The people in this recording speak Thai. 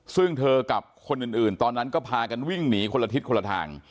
ซึ่งเธอกับคนอื่นตอนนั้นก็พากันวิ่งหนีคนละทิศคนละทาง